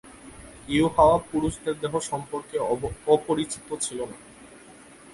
ইউহাওয়া পুরুষের দেহ সম্পর্কে অপরিচিত ছিল না।